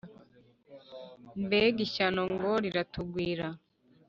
Mbega ishyano ngo riratugwira !